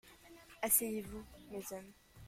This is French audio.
Asseyez-vous, mes hommes.